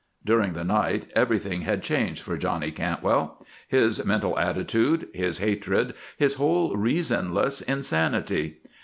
During the night everything had changed for Johnny Cantwell; his mental attitude, his hatred, his whole reasonless insanity.